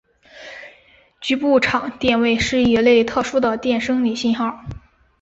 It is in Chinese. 局部场电位是一类特殊的电生理信号。